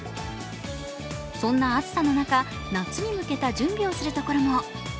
そんな暑さの中、夏に向けた準備をするところも。